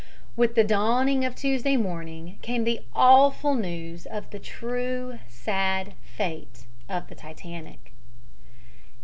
With the dawning of Tuesday morning came the awful news of the true fate of the Titanic.